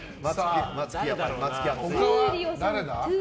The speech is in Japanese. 他は誰だ？